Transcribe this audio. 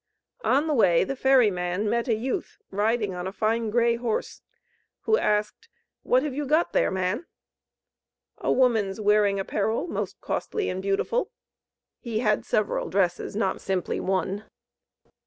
On the way the ferry man met a youth, riding on a fine grey horse, who asked: "What have you got there, man?" "A woman's wearing apparel, most costly and beautiful" he had several dresses, not simply one.